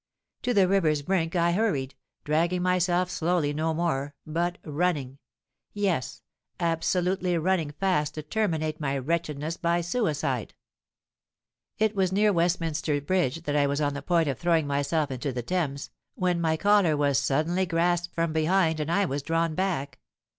"To the river's brink I hurried—dragging myself slowly no more—but running, yes—absolutely running fast to terminate my wretchedness by suicide. It was near Westminster Bridge that I was on the point of throwing myself into the Thames, when my collar was suddenly grasped from behind, and I was drawn back.